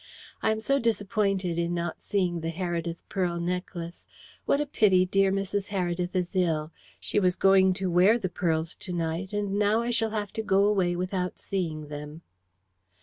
"I am so disappointed in not seeing the Heredith pearl necklace. What a pity dear Mrs. Heredith is ill. She was going to wear the pearls to night, and now I shall have to go away without seeing them."